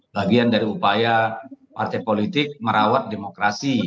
bagian dari upaya partai politik merawat demokrasi